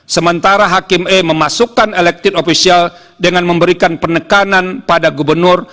sementara hakim e memasukkan elected official dengan memberikan penekanan pada gubernur